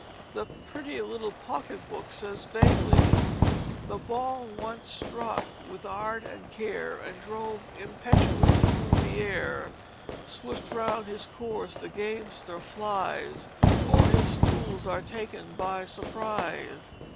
The Pretty Little Pocket Book says vaguely: "The ball once struck with Art and Care And drove impetuous through the Air, Swift round his Course the Gamester flies Or his Stools are taken by surprise."